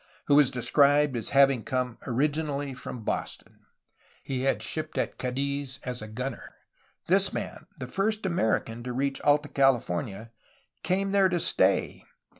who was described as having come originally from "Boston/' he had shipped at Cadiz as a gunner. This man, the first American to reach Alta California, came there to stay.